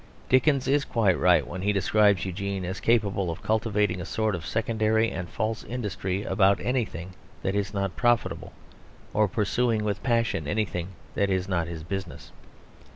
Dickens is quite right when he describes Eugene as capable of cultivating a sort of secondary and false industry about anything that is not profitable; or pursuing with passion anything that is not his business.